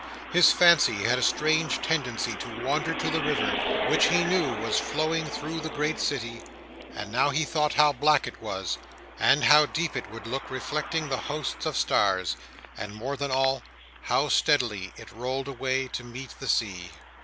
His fancy had a strange tendency to wander to the river, which he knew was flowing through the great city; and now he thought how black it was, and how deep it would look, reflecting the hosts of stars—and more than all, how steadily it rolled away to meet the sea.